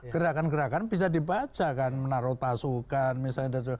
gerakan gerakan bisa dibaca kan menaruh pasukan misalnya